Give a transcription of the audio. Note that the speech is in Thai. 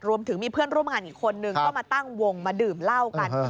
รวมถึงมีเพื่อนร่วมงานอีกคนนึงก็มาตั้งวงมาดื่มเหล้ากัน